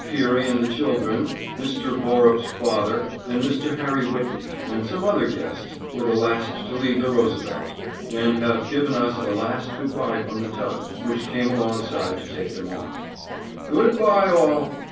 Peary and the children, Mr. Borup's father, and Mr. Harry Whitney, and some other guests were the last to leave the Roosevelt, and have given us a last good by from the tug, which came alongside to take them off. Good by all.